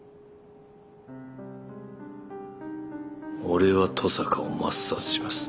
俺は登坂を抹殺します。